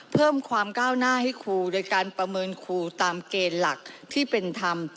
เพิ่มความก้าวหน้าให้ครูโดยการประเมินครูตามเกณฑ์หลักที่เป็นธรรม